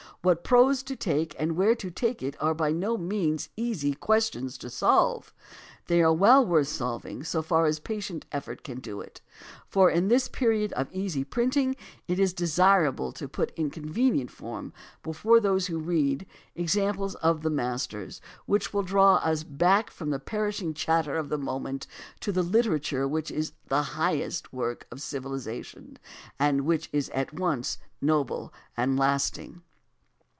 What prose to take and where to take it are by no means easy questions to solve. Yet they are well worth solv ing, so far as patient effort can do it, for in this period of easy printing it is desirable to put in convenient form before those who read examples of the masters which will draw us back from the perishing chatter of the moment to the literature which is the highest work of civilization and which is at once noble and lasting.